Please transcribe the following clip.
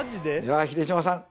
秀島さん